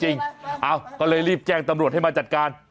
ก็เลยรีบแจ้งตำรวจให้มาจัดการ